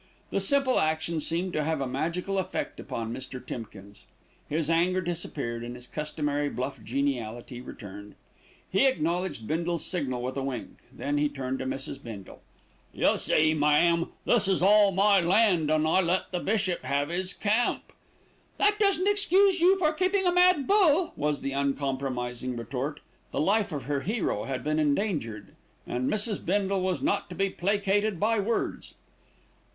The simple action seemed to have a magical effect upon Mr. Timkins. His anger disappeared and his customary bluff geniality returned. He acknowledged Bindle's signal with a wink, then he turned to Mrs. Bindle. "You see, ma'am, this is all my land, and I let the bishop have his camp " "That doesn't excuse you for keeping a mad bull," was the uncompromising retort. The life of her hero had been endangered, and Mrs. Bindle was not to be placated by words.